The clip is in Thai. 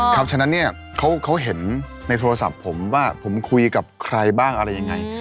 ฉะนั้นเนี่ยเขาเห็นในโทรศัพท์ผมว่าผมคุยกับใครบ้างอะไรยังไง